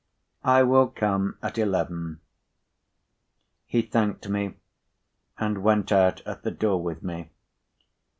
"I will come at eleven." He thanked me, and went out at the door p. 97with me.